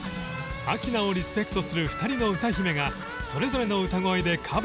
明菜をリスペクトする２人の歌姫がそれぞれの歌声でカバー。